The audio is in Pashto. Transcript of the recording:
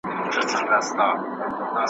موږ خو هیڅ لیدلي نه دي هر څه ولیدل یزدان !.